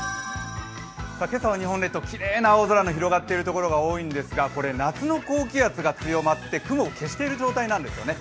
今朝は日本列島、きれいな青空が広がっているところが多いんですがこれ、夏の高気圧が強まって雲を消してる状態なんですね。